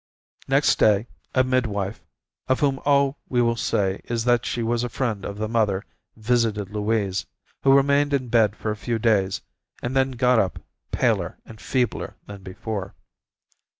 Next day a midwife, of whom all we will say is that she was a friend of the mother, visited Louise, who remained in bed for a few days, and then got up paler and feebler than before.